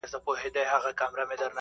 هغوی ته دې ډاډ ورکړ